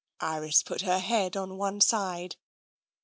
" Iris put her head on one side.